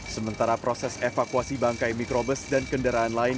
sementara proses evakuasi bangkai mikrobus dan kendaraan lain